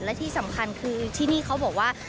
และที่สำคัญคือที่นี่เขาบอกว่า